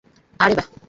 আরে, বাহ।